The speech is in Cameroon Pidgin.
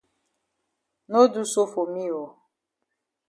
No do so for me oo.